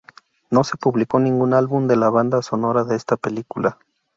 No se publicó ningún álbum de la banda sonora de esta película.